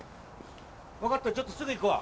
分かったちょっとすぐ行くわ。